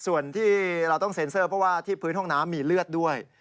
ส่วนที่เราต้องเซ็นเซอร์เพราะว่าที่พื้นห้องน้ำมีเลือดด้วย